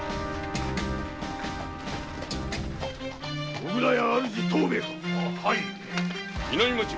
小倉屋藤兵衛か？